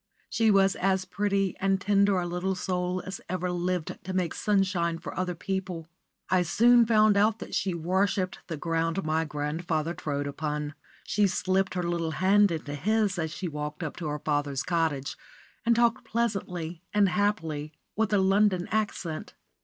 She was as pretty and tender a little soul as ever lived to make sunshine for other people. I soon found that she worshipped the ground my grandfather trod upon. She slipped her little hand into his as she walked up to her father's cottage, and talked pleasantly and happily with a London accent.